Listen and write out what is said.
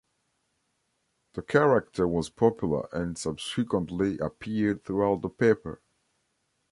The character was popular, and subsequently appeared throughout the paper.